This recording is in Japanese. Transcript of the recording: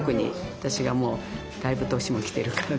私がもうだいぶ年もきてるからね。